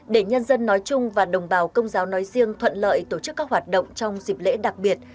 để nhân dân nói chung và đồng bào công giáo nói riêng thuận lợi tổ chức các hoạt động trong dịp lễ đặc biệt